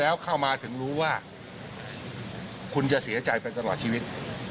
แล้วเข้ามาถึงรู้ว่าคุณจะเสียใจไปตลอดชีวิต